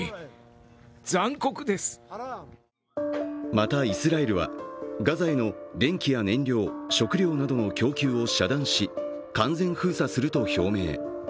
また、イスラエルは、ガザへの電気や燃料、食料などの供給を遮断し、完全封鎖すると表明。